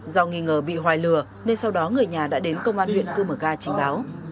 do nghi ngờ bị hoài lừa nên sau đó người nhà đã đến công an huyện cư mở ga trình báo